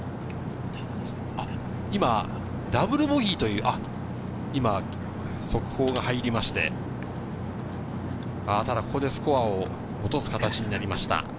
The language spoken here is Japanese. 今、ダブルボギーという速報が入りまして、ここでスコアを落とす形になりました。